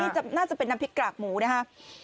น่าจะเป็นน้ำพริกกรากหมูนะครับ